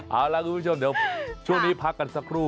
เอาล่ะคุณผู้ชมเดี๋ยวช่วงนี้พักกันสักครู่